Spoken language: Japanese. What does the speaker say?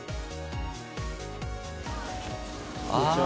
「こんにちは」